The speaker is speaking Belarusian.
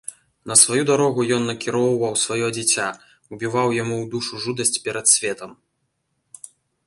На сваю дарогу ён накіроўваў сваё дзіця, убіваў яму ў душу жудасць перад светам.